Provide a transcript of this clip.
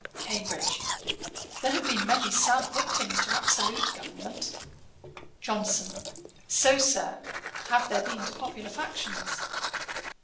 CAMBRIDGE. 'There have been many sad victims to absolute government.' JOHNSON. 'So, Sir, have there been to popular factions.'